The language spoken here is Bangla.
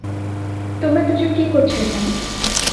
তোমরা দুজন কি করছো এখানে?